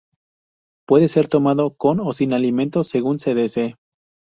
Puede ser tomado con o sin alimentos, según se desee.